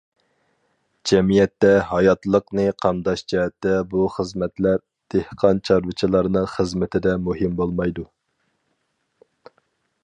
جەمئىيەتتە ھاياتلىقنى قامداش جەھەتتە بۇ خىزمەتلەر دېھقان- چارۋىچىلارنىڭ خىزمىتىدە مۇھىم بولمايدۇ.